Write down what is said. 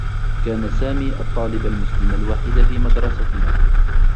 كان سامي الطّالب المسلم الوحيد في مدرستنا.